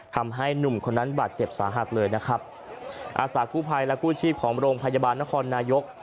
ทำให้หนุ่มคนนั้นบาดเจ็บสาหัสเลยนะครับอาสากู้ภัยและกู้ชีพของโรงพยาบาลนครนายก